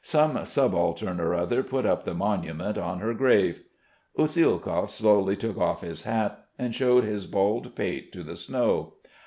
"Some subaltern or other put up the monument on her grave." Usielkov slowly took off his hat and showed his bald pate to the snow.